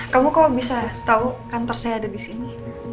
kamu kok bisa tau kantor saya ada disini